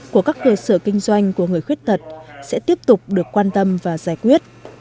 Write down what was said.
của các cơ sở kinh doanh của người khuyết tật sẽ tiếp tục được quan tâm và giải quyết